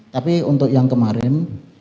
tapi untuk yang kemarin